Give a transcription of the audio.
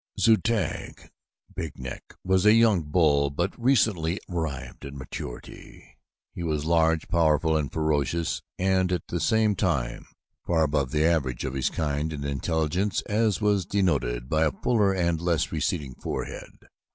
Zu tag (Big neck) was a young bull but recently arrived at maturity. He was large, powerful, and ferocious and at the same time far above the average of his kind in intelligence as was denoted by a fuller and less receding forehead.